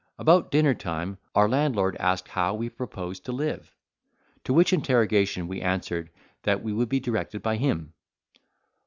About dinner time, our landlord asked how we proposed to live? to which interrogation we answered, that we would be directed by him.